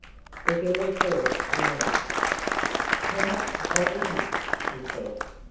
The girl thought a moment. "Perhaps I didn't," she said.